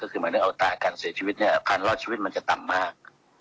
ก็คือหมายถึงอัตราการเสียชีวิตเนี่ยการรอดชีวิตมันจะต่ำมาก